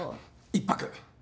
１泊。